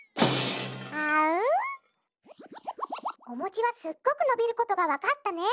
おもちはすっごくのびることがわかったね。